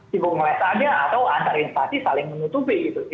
tiba tiba saja atau antar instasi saling menutupi gitu